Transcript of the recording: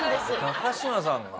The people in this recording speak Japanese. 高島さんが？